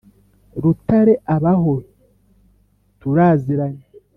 rutare abaho turaziranye